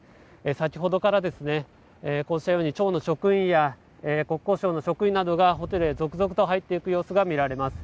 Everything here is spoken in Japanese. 先ほどから、こうしたように町の職員や国交省の職員などがホテルへ続々と入っていく様子が見られます。